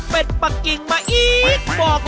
เป็ดปะกิ่งมาอีก